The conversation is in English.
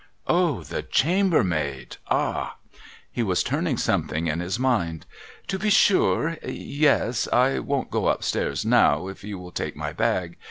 ' O ! The chambermaid. Ah !' He was turning something in his mind. ' To be sure. Yes. I won't go up stairs now, if you will take my bag.